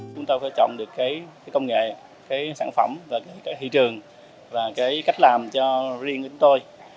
chúng ta phải chọn được công nghệ sản phẩm thị trường và cách làm cho riêng chúng tôi